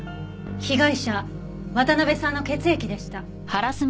被害者渡辺さんの血液でした。